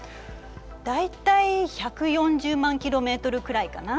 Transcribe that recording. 大体１４０万ｋｍくらいかな。